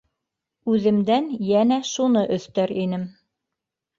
Үҙемдән йәнә шуны өҫтәр инем: